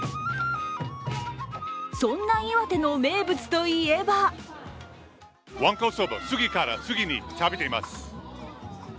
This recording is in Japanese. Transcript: そんな岩手の名物といえばわんこそばを次から次に食べています。